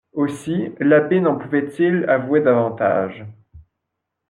Aussi l'abbé n'en pouvait-il avouer davantage.